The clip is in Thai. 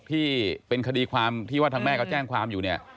ที่เป็นคดีความที่ว่าทั้งแม่เค้าแจ้งความอยู่